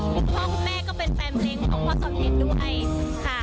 พ่อคุณแม่ก็เป็นแฟนเพลงของพ่อสอนเพชรด้วยค่ะ